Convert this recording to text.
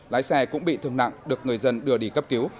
lái xe cũng bị thương nặng được người dân đưa đi cấp cứu